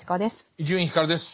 伊集院光です。